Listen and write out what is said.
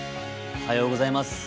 おはようございます。